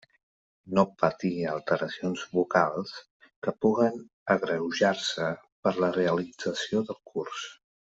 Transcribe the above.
No patir alteracions vocals que puguen agreujar-se per la realització del curs.